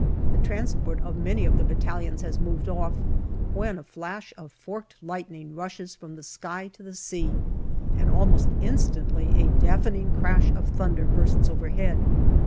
The transport of many of the battalions has moved off, when a flash of forked lightning rushes from the sky to the sea, and almost instantly a deafening crash of thunder bursts overhead.